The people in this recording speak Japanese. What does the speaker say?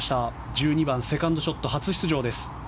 １２番、セカンドショット初出場です。